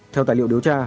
theo tài liệu điều tra